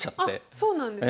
そうなんですね。